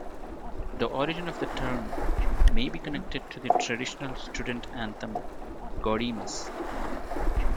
The origin of the term may be connected to the traditional student anthem, "Gaudeamus".